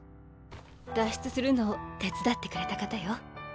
脱出するのを手伝ってくれた方よ。